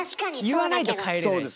言わないと帰れないし。